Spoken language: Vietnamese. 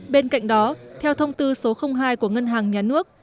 bên cạnh đó theo thông tư số hai của ngân hàng nhà nước